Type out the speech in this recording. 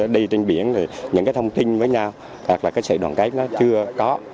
đi trên biển thì những cái thông tin với nhau hoặc là cái sự đoàn kết nó chưa có